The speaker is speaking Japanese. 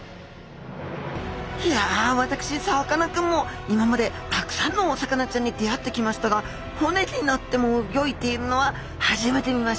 いや私さかなクンも今までたくさんのお魚ちゃんに出会ってきましたが骨になってもうギョいているのは初めて見ました！